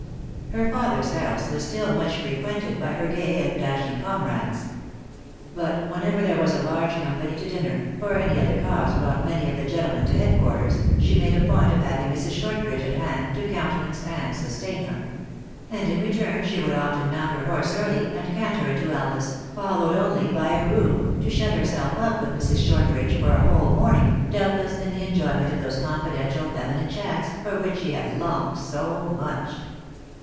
Her father s house was still much frequented by her gay and dash ing comrades. But whenever there was a large com pany to dinner, or any other cause brought many of the gentlemen to head quarters, she made a point of having Mrs. Shortridge at hand to countenance and sustain her ; and in return she would often mount her horse early and canter into Elvas, followed only by a groom, to shut herself up with Mrs. Shortridge for a whole morning, doubtless in the enjoyment of those confidential feminine chats, for which she had loncred 7 O BO much.